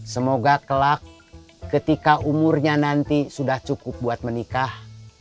semoga kelak ketika umurnya nanti sudah cukup buat menikah